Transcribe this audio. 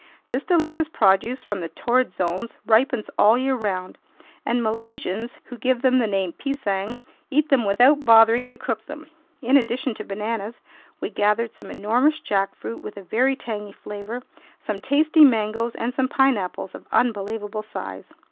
This delicious produce from the Torrid Zones ripens all year round, and Malaysians, who give them the name "pisang," eat them without bothering to cook them. In addition to bananas, we gathered some enormous jackfruit with a very tangy flavor, some tasty mangoes, and some pineapples of unbelievable size.